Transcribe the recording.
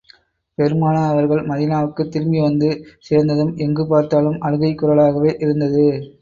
பெருமானார் அவர்கள் மதீனாவுக்குத் திரும்பி வந்து சேர்ந்ததும், எங்கு பார்த்தாலும் அழுகைக் குரலாகவே இருந்தது.